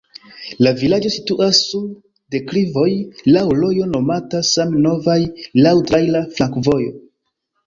La vilaĝo situas sur deklivoj, laŭ rojo nomata same Novaj, laŭ traira flankovojo.